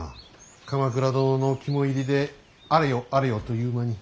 鎌倉殿の肝煎りであれよあれよという間に。